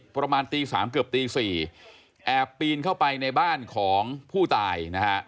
ประมาณตี๓เกือบตี๔แอบปีนเข้าไปในบ้านของผู้ตายนะฮะ